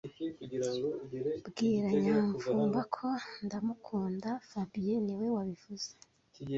Bwira Nyamvumba ko ndamukunda fabien niwe wabivuze